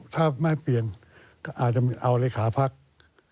ถ้าไม่เปลี่ยนก็อาจจะเอาเลขาพัก